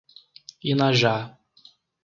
Inajá